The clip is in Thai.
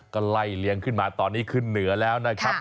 ก็ไล่เลี้ยงขึ้นมาตอนนี้ขึ้นเหนือแล้วนะครับ